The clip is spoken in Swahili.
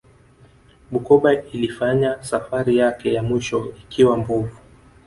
bukoba ilifanya safari yake ya mwisho ikiwa mbovu